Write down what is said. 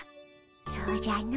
そうじゃの。